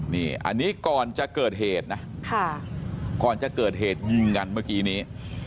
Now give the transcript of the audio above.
นี่อันนี้ก่อนจะเกิดเหตุนะก่อนจะเกิดเหตุยิงกันเมื่อกี้นี้